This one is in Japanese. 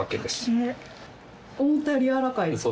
思ったよりやわらかいですね。